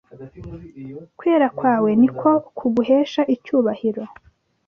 Kwera kwawe ni ko kuguhesha icyubahiro